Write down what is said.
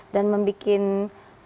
dan membuat seolah olah saya